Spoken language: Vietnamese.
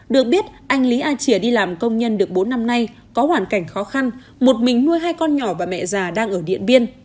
được biết anh lý a chia đi làm công nhân được bốn năm nay có hoàn cảnh khó khăn một mình nuôi hai con nhỏ và mẹ già đang ở điện biên